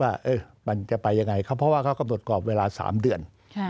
ว่ามันจะไปยังไงครับเพราะว่าเขากำหนดกรอบเวลา๓เดือน